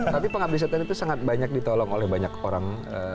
tapi penghabisan itu sangat banyak ditolong oleh banyak orang